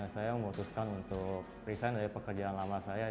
saya memutuskan untuk resign dari pekerjaan lama saya